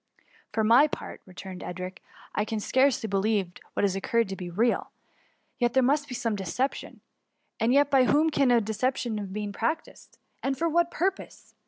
For my part," returned Edric, I can fcarcely believe what has occurred to be real : there must be some deception. And yet, by whom can a deception have been practised, and for what purpose?